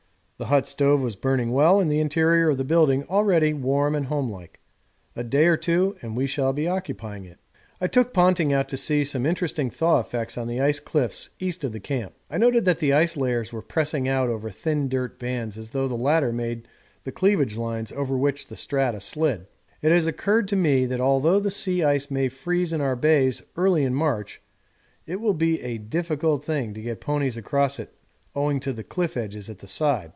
The hut stove was burning well and the interior of the building already warm and homelike a day or two and we shall be occupying it. I took Ponting out to see some interesting thaw effects on the ice cliffs east of the Camp. I noted that the ice layers were pressing out over thin dirt bands as though the latter made the cleavage lines over which the strata slid. It has occurred to me that although the sea ice may freeze in our bays early in March it will be a difficult thing to get ponies across it owing to the cliff edges at the side.